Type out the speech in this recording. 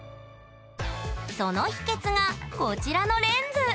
その秘けつがこちらのレンズ！